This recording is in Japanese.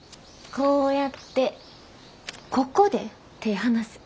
こうやってここで手ぇ離す。